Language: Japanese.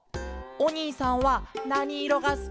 「おにいさんはなにいろがすきですか？